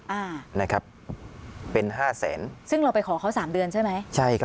อ่านะครับเป็นห้าแสนซึ่งเราไปขอเขาสามเดือนใช่ไหมใช่ครับ